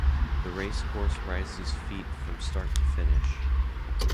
The race course rises feet from start to finish.